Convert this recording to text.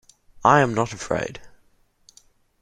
I am not afraid.